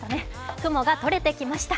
雲がとれてきました。